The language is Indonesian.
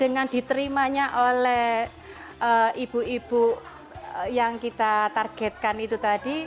dengan diterimanya oleh ibu ibu yang kita targetkan itu tadi